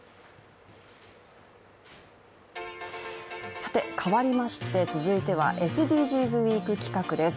さて、変わりまして、続いてはＳＤＧｓウイーク企画です。